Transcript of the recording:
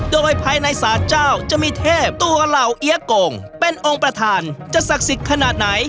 โดยภายในศาลเจ้าจะมีเทพตัวเหล่าเอี๊ยกงเป็นองค์ประธานจะศักดิ์สิทธิ์ขนาดไหน